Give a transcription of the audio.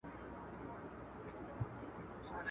دوې پښې په يوه پايڅه کي نه ځائېږي.